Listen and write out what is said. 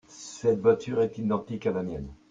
Cette voiture est identique à la mienne.